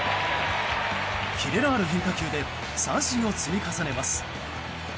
キレのある変化球で三振を積み重ねます。